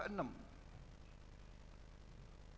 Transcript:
bayangkan kita sudah ke tujuh